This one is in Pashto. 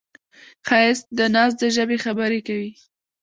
ښایست د ناز د ژبې خبرې کوي